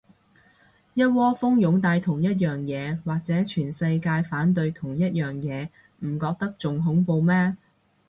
一窩蜂擁戴同一樣嘢，或者全世界反對同一樣嘢，唔覺得仲恐怖咩